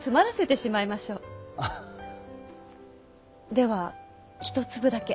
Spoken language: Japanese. では一粒だけ。